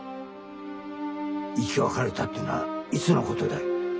生き別れたってのはいつのことだい？